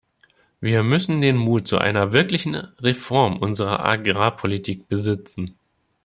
Wir müssen den Mut zu einer wirklichen Reform unserer Agrarpolitik besitzen.